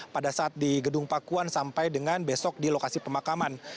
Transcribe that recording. pada saat di gedung pakuan sampai dengan besok di lokasi pemakaman